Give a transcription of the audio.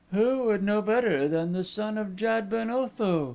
"Who should know better than the son of Jad ben Otho?"